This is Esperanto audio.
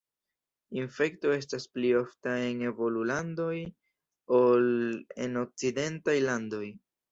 Infekto estas pli ofta en evolulandoj ol en okcidentaj landoj.